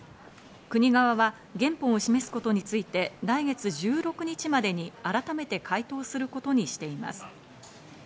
国側は原本を示すことについて、来月１６日までに改めて回答することにしています。